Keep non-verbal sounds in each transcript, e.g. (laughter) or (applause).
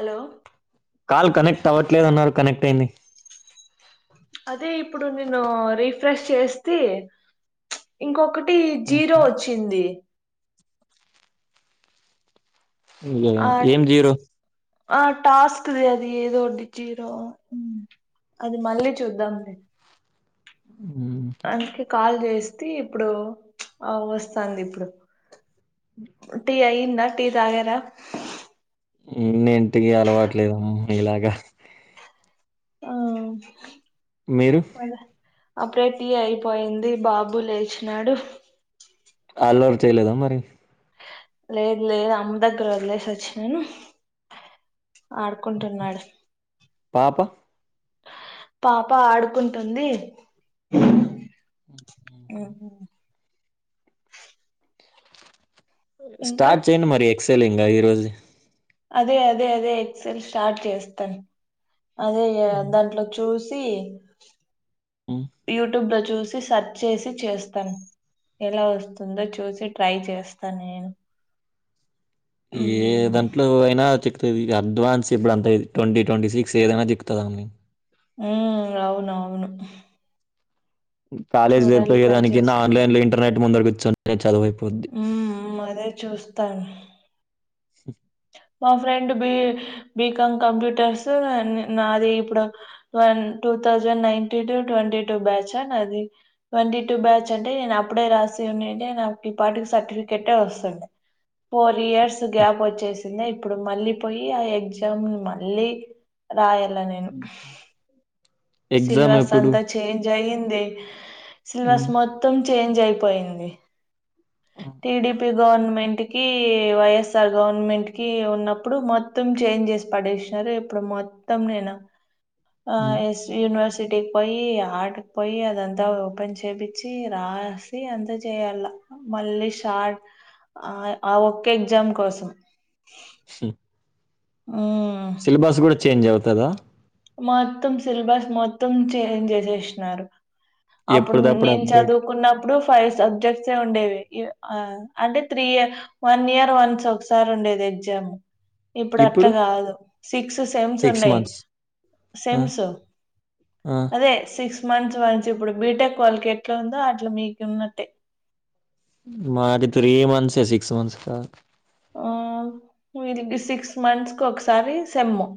Hello call connect అవ్వట్లేదు అన్నారు connect అయింది అదే ఇప్పుడు నేను రీఫ్రెష్ చేస్తె ఇంకొకటి జీరో వచ్చింది ఇగ ఏమో ఆ ఏం జీరో ఆ టాస్క్ది అది ఏదో ఒకటి జీరో హ్మ్ అది మళ్ళీ చూద్దాం లె ఉ అందుకే కాల్ జేస్తి ఇప్పుడు ఆ వస్తాంది ఇప్పుడు టీ అయిందా టీ తాగార ఎన్ని ఇంటికి అలవాట్లేదమ్మా ఇలాగా ఆ మీరు అప్పుడే టీ అయిపోయింది బాబు లేచినాడు ఆలోర్ చేయలేదా మరి లేదు లేదు అమ్మ దగ్గర వదిలేస్ వచ్చినాను ఆడుకుంటున్నాడు పాప పాప ఆడుకుంటుంది ఉహుహ్ ఇంకా స్టార్ట్ చేయండి మరి ఎక్సెలింగ్ ఈ రోజు అదే అదే అదే ఎక్సెల్ స్టార్ట్ చేస్తాన్ అదే ఇగా దాంట్లో చూస్ సి యూట్యూబ్లా జూస్ చూ సర్చ్ చేసి చేస్తాను ఎలా వస్తుందో చూసి ట్రై చేస్తాను నేను ఏ మ్మ్. దాంట్లో అయినా చెక్ తది అడ్వాన్స్ ఇప్పుడంతా ఇది ట్వంటీ ట్వంటీ సిక్స్ ఏదైనా దికుతదా ఆమ్ ఉహ్ అవున్ అవును కాలేజ్ చూడాలి జరిపోయే ట్రై దాని కన్న చేస్తాను ఆలైన్ లో ఇంటర్నెట్ ముందరకిచ్చ చదువై ఉహ్మ్ అదే చూస్తాను స మా ఫ్రెండ్ బి బీకాం కంప్యూటర్స్ నాది ఇప్పుడు one two thousand ninety two twenty two batch నాది. ట్వంటీ టూ బ్యాచ్ అంటే నేను అప్పుడే రాసి ఉండి ఉంటే నాకు ఈ పాటికి సర్టిఫికేటే వసుండే ఫోర్ ఇయర్స్ గ్యాప్ వచ్చేస్ నే ఇప్పుడు మళ్ళీ పోయి ఆ ఎగ్జామ్ మళ్ళీ రాయాలనే ఎగ్జామ్ సిల్వార్స్ ఎప్పుడు అంతా చ్ చేంజ్ అయింది, సిలబస్ మొత్తం చేంజ్ అయిపోయింది. ఆ టిడిపి గవర్నమెంట్ కి వైఎస్ఆర్ గవర్నమెంట్ కి ఉన్నప్పుడు మొత్ త్తం చేంజ్ చేస్ పడేచినారు ఇప్పుడు మొత్తం నేను ఆ ఎస్ యూనివర్సిటీకి పోయి ఆర్టకి పోయి అదంతా ఓపెన్ చేపించి రాస్ ది అంత చేయాలా మళ్ళీ షార్ట్ ఆ ఒక్క ఎగ్జామ్ కోసం సుహామ్ ఉహుహ్ సిలబస్ గూడా చేంజ్ అవుతదా మొత్తం సిలబస్ మొత్తం చేంజ్ జేశిన్నారు. అప్పుడుమ్ ఎప్పుడుదప్పుడు నీన్ అప్డేట్ చదువుకున్నప్ అప్పుడు ఫైవ్ సబ్జెక్ట్స్ ఉండేవి ఇవ్ ఆ అంటే త్రీ ఇ వన్ ఇయర్ వన్స్ ఒకసారి ఉండేది ఎగ్జాము. ఇప్పుడు అట్లా గాదు సిక్స్ సేమ్స్ సిక్స్ ఉన్నాయ్. మంత్స్ ఆ, సేమ్సు ఆ, అదే సిక్స్ మంచి మంచి ఇప్పుడు బీటెక్ వాళ్ళకి ఎట్లా ఉందో అట్లా మీకు ఉన్నట్టే. ఉహ్ మాది త్రీ మంత్స్ ఏ సిక్స్ మంత్స్ కాద్ ఆ వీధిక్ సిక్స్ మంత్స్కి ఒకసారి సేము.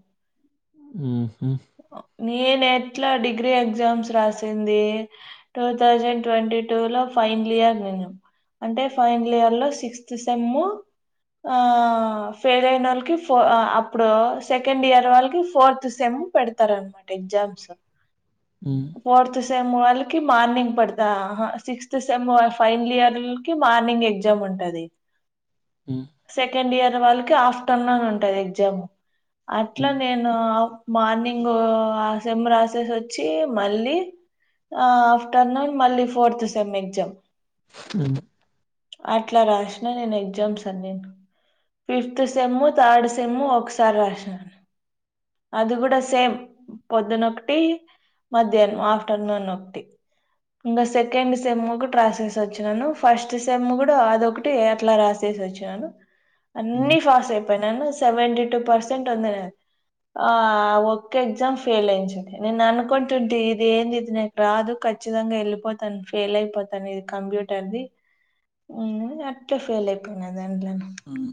ఉహుహ్ హో నేను ఎట్లా డిగ్రీ ఎగ్జామ్స్ రాసింది. టూ తౌజండ్ ట్వంటీ టూ లో ఫైనల్ ఇయర్ నీను. అంటే ఫైనల్ ఇయర్లో సిక్స్త్ సెమ్ ఆ ఫెయిల్ అయిన వోళ్ళకి ఫ అప్పుడు సెకండ్ ఇయర్ వోళ్ళకి ఫోర్త్ సెమ్ పెడతారన్నమాట ఎగ్జామ్స్ హ్మ్ ఫోర్త్ సెమ్ వోళ్ళకి మార్నింగ్ పడద సిక్స్త్ సెమ్ వాల్ ఫైనల్ ఇయరు కి మార్నింగ్ ఎగ్జామ్ ఉంటది హ్మ్ సెకండ్ ఇయర్ వాళ్ళకి ఆఫ్టర్నూన్ ఉంటది ఎగ్జామ్ అట్లా ఉమ్, నేను మార్నింగు ఆ సెమ్ రాసేసి వచ్చి మళ్ళీ ఆ ఆఫ్టర్నూన్ మళ్ళీ ఫోర్త్ సెమ్ ఎగ్జామ్ రెండు అట్లా రాసిన నేను ఎగ్జామ్స్ అన్నీను ఫిఫ్త్ సెమ్ థర్డ్ సెమ్ ఒకసారి రాసిన అది కూడా సేమ్ పొద్దునొకటి మధ్యాహ్నం ఆఫ్టర్నూన్ ఒకటి ఇంకా సెకండ్ సెమ్ ఒకట్రాసేసి వచ్చినాను ఫస్ట్ సెమ్ కూడా అదొకట్ టే అట్లా రాసేసి వచ్చాను ఉమ్, అన్ని ఫాస్ అయిపోయినాను సెవెంటీ టూ పర్సెంట్ ఉందినాద్ ఆ ఒక్క ఎగ్జామ్ ఫెయిల్ ఎయించింది నేను అనుకుంటుంటి ఇది ఏంది ఇది నే రాదు ఖచ్చితంగా వెళ్ళిపోతాను ఫెయిల్ అయిపోతాను ఇది కంప్యూటర్ది నేను అట్ల ఫెయిల్ అయిపోయిన దంట్లోని ఉమ్,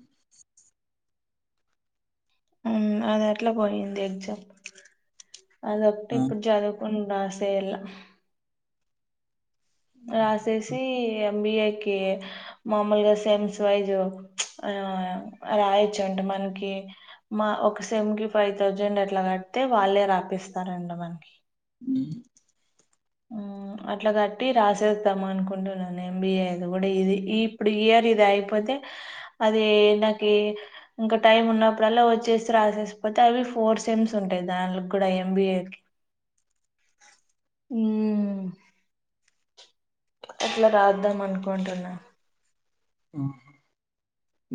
అది ఎట్లా పోయింది ఎగ్జామ్ అదొక్కటి ఆ, ఇప్పుడు చదువు ఉందాసేళ్ళ రాసేసి ఎంబిఏకి మామూలుగా సేమ్స్ వైజు ఆ రాయొచ్చంట మనకి మా ఒక సెమ్కి ఫైవ్ థౌజండ్ అట్లా కడితే వాళ్ళే రాపిస్తారండి మనకి ఉమ్, మ్ అట్లా కట్టి రాసేద్దాం అనుకుంటున్నాను ఎంబీఏ అది కూడా ఇది ఇప్పుడు ఇయర్ ఇది అయిపోతే అదే నాకి ఇంకా టైమ్ ఉన్నప్పుడల్లా వచ్చేసి రాసేసిపోతే అవి ఫోర్ సెమ్స్ ఉంటాయి దాని కూడా ఎంబీఏకి మ్ అట్లా రాద్దాం అనుకుంటున్నా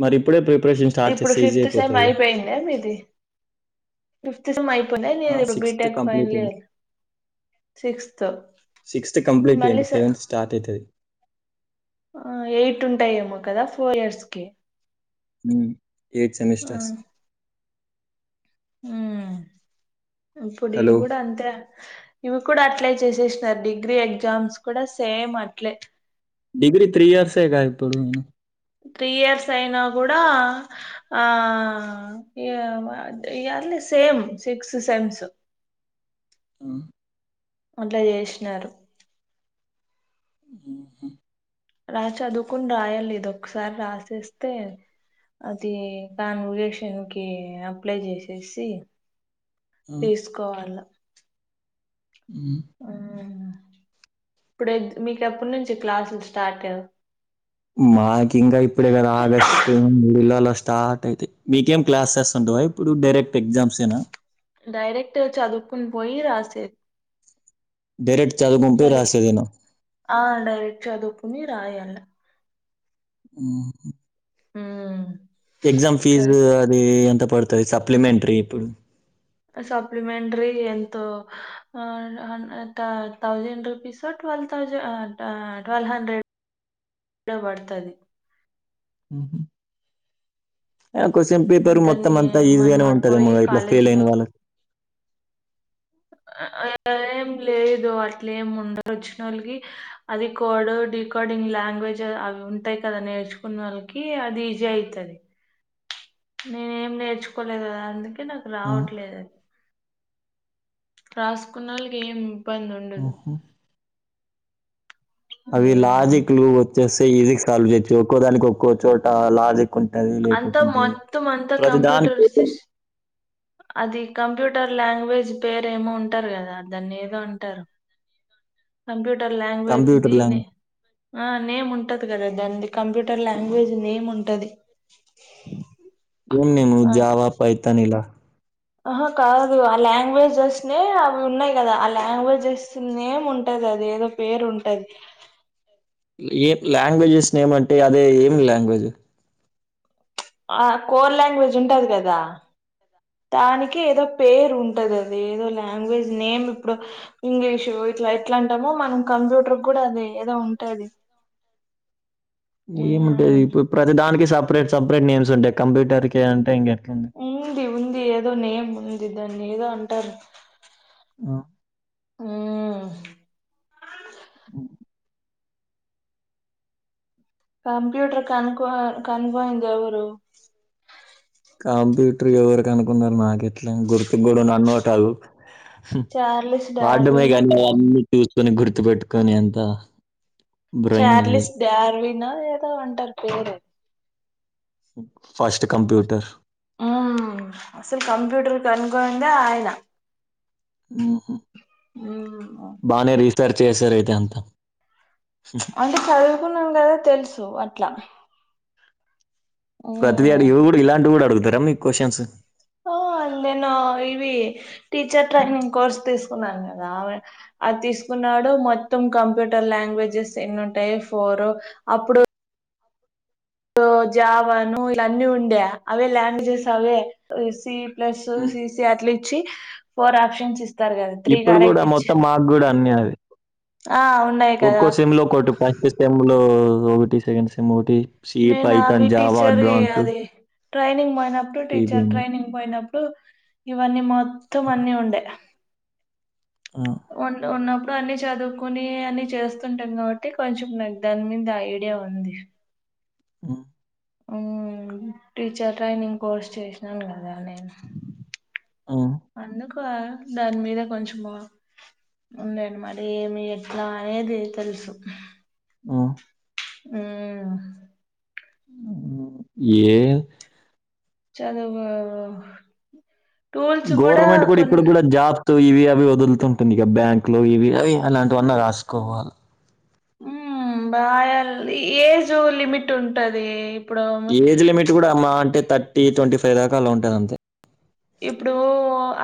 మరి ఇప్పుడే ప్రిపరేషన్ స్టార్ట్ చేస్తే ఈజీ అయిపోతదిగా ఏమ్ది ఫిఫ్త్ సెమ్ అయిపోయినయ్ నేను ఇప్పుడు సిక్స్త్ బిటెక్ కంప్లీట్ ఫైనల్ అయింది ఇయరు సిక్స్త్ సిక్స్త్ కంప్లీట్ మళ్ళీ అయింది సె సెవెంత్ స్టార్ట్ అయితది ఆ ఎయిట్ ఉంటాయేమో కదా ఫోర్ ఇయర్స్కి మ్ ఎయిట్ ఆ, సెమిస్టర్స్ ఉమ్ ఇప్పుడు ఇవి హలో కూడా అంతే ఇవి కూడా అట్లే చేసేసినారు డిగ్రీ ఎగ్జామ్స్ కూడా సేమ్ అట్లే డిగ్రీ త్రీ ఇయర్సేగా ఇప్పుడు త్రీ ఇయర్స్ అయినా కూడా ఆ యామంటే ఈ అన్ని సేమ్ సిక్స్ సెమ్స్ ఆ, అట్ల చేసినారు మ్ హు రా చదువుకొన్ రాయాలి ఇదొక్కసారి రాసేస్తే. అదీ కాను రిజక్షన్ కీ అప్లై చేశేశీ. ఆ, తీసుకోవాల ఉ ఆ ఇప్పుడు మీకు ఎప్పటి నుంచి క్లాసులు స్టార్టు. మాక్ ఇంకా ఇప్పుడే కాదు ఆగస్ట్. టు మూడు నెలలా స్టార్ట్ అయితయి మీకేం క్లాసెస్ ఉండవా ఇప్పుడు డైరెక్ట్ ఎగ్జామ్సేనా. డైరెక్ట చదువుకొని పోయి రాసేద్ డైరెక్ట్ చదువుకొని పోయి చదువుకు రాసేదేనా. ఆ డైరెక్ట్ చదువుకుని రాయాల ఆహ ఊ ఎగ్జామ్ ఫీజూ అదీ ఎంత పడుతది సప్లిమెంటరీ ఇప్పుడు. సప్లిమెంట్రీ ఎంతో ఆ హం థ thousand rupees. So twelve thousand ఆ టా ట్వల్వ్ హండ్రెడ్ (inaudible) పడుతది ఊహు ఆ క్వశ్చన్ పేపరు మొత్తం దాన్ని అంతా మనం ఈజీగానే అటు పోయి ఉంటదేమో ఇట్ల ఫెయిల్ కాలేజీలో అయిన వాళ్ళక్. అ (inaudible) ఏం లేదు అట్లే ఏమి ఉండదు వచ్చినోళ్ళకి. అది కోడు డీ కోడింగ్ లాంగ్వేజ్ అవి ఉంటాయి కదా నేర్చుకున్నోళ్ళకీ అది ఈజీ అయితది. నేన్ ఏం నేర్చుకోలేదు గదా అందుకే నాకు ఆ రావట్లేదు అది. రాసుకున్నోళ్ళకి ఏం ఇబ్బంది ఉండదు. ఆహా అవి ఉమ్ లాజిక్ లు వచ్చేస్తే ఈజిగ్ సాల్వ్ చేయచ్చు ఒక్కో దానికి ఒక్కో చోటా లాజిక్. కుంటది లేకకుంటే ప్రతిదానిక్ తిష్ అది కంప్యూటర్ లాంగ్వేజ్ పేరేమో ఉంటరు కదా దాన్ని ఏదో అంటరు. కంప్యూటర్ లాంగ్వేజ్ కంప్యూటర్ దీనె లాంగ్వేజ్ ఆ నేమ్ ఉంటది గదా దాన్ది కంప్యూటర్ లాంగ్వేజ్ నేమ్ ఉంటది. ఏం నేము ఆ జావా, పైతాన్ ఇలా ఆహా కాదు ఆ లాంగ్వేజెస్నే అవి ఉన్నాయి కదా ఆ లాంగ్వేజెస్నేమ్ ఉంటది అది ఏదో. పేరు ఉంటది ఏ లాంగ్వేజెస్ నేమంటే అదే ఏమి లాంగ్వేజు. ఆ కోర్ లాంగ్వేజ్ ఉంటది గదా దానికి ఏదో పేరు ఉంటది అది ఏదో లాంగ్వేజ్ నేమ్ ఇప్పుడు. ఇంగ్లీషు ఇట్లా ఎట్లా అంటామో మనం కంప్యూటర్ కూడా అది ఏదో ఉంటది. ఏముంటది మ్ ఇప్పుడు ప్రతి దానికి సపరేట్ సపరేట్ నేమ్స్ ఉంటాయి కంప్యూటర్ కి అంటే ఇంకెట్లుంది. ఉంది ఉంది ఏదో నేమ్ ఉంది దాన్ని ఏదో అంటారు. ఆ ఊహ్ అ కంప్యూటర్ కనుకో కనుకొనిందెవరు కంప్యూటర్ ఎవరు కనుకున్నారు నాకెట్లా గుర్తుం గూడా అన్నోటాదు. హు చార్లిస్ వాడ్డమే డార్విన్ గాని అవన్నీ చూసుకొని గుర్తు పెట్టుకునే అంతా. చార్లిస్ డార్వినో ఏదో అంటారు పేరు. ఫస్ట్ కంప్యూటర్ ఊ అసలు కంప్యూటర్ కనుగొనిందే ఆయనా. మ్మ్. ఉమ్ బాగానే రీసెర్ చేశారు అయితే అంతా అంటే చదువుకున్నాం కదా తెలుసు అట్లా ప్రతివి మ్ అడిగి వి ఇవీ కూడా ఇలాంటి కూడా అడుగుతారా మీ క్వశ్చన్స్ ఆ నేను ఇవి టీచర్ ట్రైనింగ్ కోర్స్ తీసుకున్నాను కదా అది తీసుకున్నాడు మొత్తం కంప్యూటర్ లాంగ్వేజెస్ ఎన్ని ఉంటాయి ఫోర్ అప్పుడు అప్పుడు జావాను ఇలాన్నీ ఉండే అవే ల్యాండ్ చేస అవే సి ప్లస్ సిసి అట్ల ఇచ్చి ఫోర్ ఆప్షన్స్ ఇస్త ఇప్పుడు కూడా మొత్తం మాకు కూడా అన్ని అవి ఆ ఉన్నాయి ఒక్కో కదా ఏ సెమ్ లో ఒకోటి ఫస్ట్ సెమ్ లో ఒకటి సెకండ్ సెమ్ ఒకటి సి నేను అవి పైథాన్ జావా టీచరీ అడ్వాన్స్ అది ట్రైనింగ్ పోయినప్పుడు టీచర్ టీబీఎం ట్రైనింగ్ పోయినప్పుడు ఇవన్నీ మొత్తం అన్నీ ఉండే ఆ ఉన్ ఉన్నప్పుడు అన్ని చదువుకుని అన్ని చేస్తుంటాం కాబట్టి కొంచెం నాకు దాని మీద ఐడియా ఉంది ఆ ఉమ్ టీచర్ ట్రైనింగ్ కోర్స్ చేసినాను కదా నేను అందుకు దాని మీద కొంచం ఉందనామాట ఏమి ఎట్లా అనేది తెలుసు ఆ ఉమ్ ఏ చదువు టూల్స్ గవర్నమెంట్ కూడా కొన్ ఇప్పుడు కూడా జాబ్ తో ఇవి అవి వదులుతుంటుంది ఇ బ్యాంక్ లో ఇవి అవి అలాంటివన్నా రాసుకోవాలి ఉ బాయ ఏజ్ లిమిట్ ఉంటది ఇప్పుడు ఏజ్ లిమిట్ కూడా మా అయితే థర్టీ ట్వంటీ ఫైవ్ దాకా అల ఉంటుంది అంతే ఇప్పుడు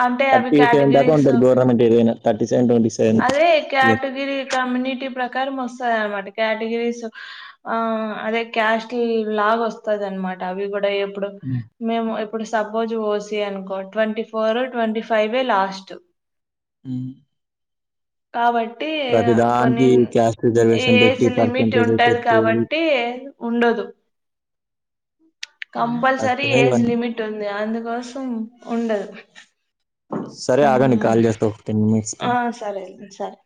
అంటే అవి థటీ సెవెన్ దాకా కేటగిరీస్ ఉంటారు గవర్మెంట్ ఏదైన థర్టీ సెన్ ట్ంటీస్ అదే కేటగిరీ, కమ్యూనిటీ ప్రకారం వస్తది అనమాట కేటగిరీస్ ఆ అదే క్యాస్ట్ లాగ వస్తది అనమాట అవి కూడా ఎప్పుడు మేము ఇప్పుడు సపోజ్ ఓసి అనుకో twenty four twenty five last హ్మ్ కాబట్టి కొన్ని దానికి క్యాస్ట్ ఈ రిజర్వేషన్ పెట్టి ఏజ్ లిమిట్ పర్సంటేజ్ ఉంటది పెట్టి కాబట్టి ఉండదు కంపల్సరీ కష్టమే ఏజ్ ఇవన్నీ లిమిట్ ఉంది అందుకోసం ఉండదు సరే ఆగాండి ఉమ్ కాల్ చేస్తా ఒక టెన్ మినిట్స్ తో ఆ సరే అండి సరే